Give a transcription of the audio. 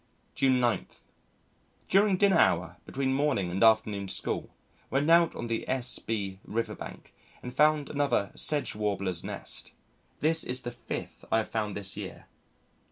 June 9. During dinner hour, between morning and afternoon school, went out on the S B River Bank, and found another Sedge Warbler's nest. This is the fifth I have found this year.